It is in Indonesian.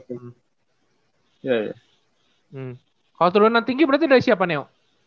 hmm kalo turunan tinggi berarti dari siapa neo